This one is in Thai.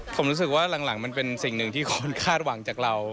ผมรู้สึกว่าหลังมันเป็นสิ่งหนึ่งที่คนคาดหวังจากเรา